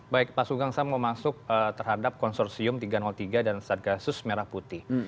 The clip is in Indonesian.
baik pak sugeng saya mau masuk terhadap konsorsium tiga ratus tiga dan satgasus merah putih